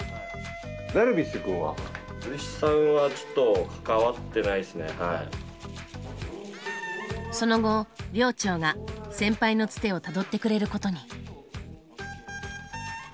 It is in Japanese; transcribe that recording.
ダルビッシュさんはその後寮長が先輩のツテをたどってくれることに。